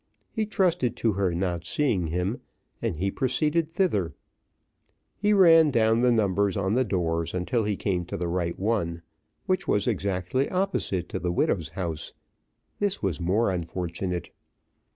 He trusted to her not seeing him, and he proceeded thither: he ran down the numbers on the doors until he came to the right one, which was exactly opposite to the widow's house: this was more unfortunate.